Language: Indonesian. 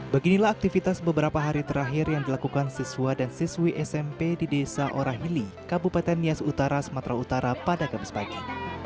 beginilah aktivitas beberapa hari terakhir yang dilakukan siswa dan siswi smp di desa orahili kabupaten nias utara sumatera utara pada gabus pagi